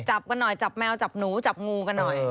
จับกันหน่อยจับแมวจับหนูจับงูกันหน่อย